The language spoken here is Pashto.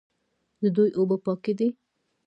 د دوی اوبه پاکې دي.